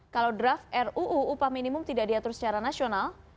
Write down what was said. kalau draft ruu upah minimum tidak diatur secara nasional